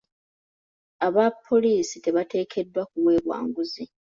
Abapoliisi tebateekeddwa kuweebwa nguzi .